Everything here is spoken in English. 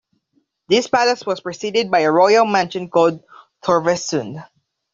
This palace was preceded by a royal mansion called "Torvesund".